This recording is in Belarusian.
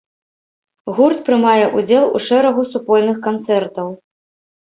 Гурт прымае ўдзел у шэрагу супольных канцэртаў.